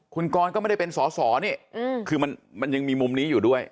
คุณกรก็ไม่ได้เป็นสอสอนี่คือมันยังมีมุมนี้อยู่ด้วย